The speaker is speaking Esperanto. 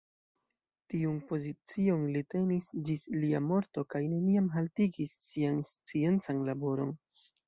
Tiun pozicion li tenis ĝis lia morto kaj neniam haltigis sian sciencan laboron.